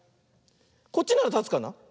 こっちならたつかな。